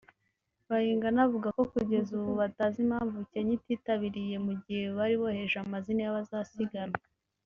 Bayingana avuga ko kugeza ubu batazi impamvu Kenya ititabiriye mu gihe bari bohereje amazina y’abazasiganwa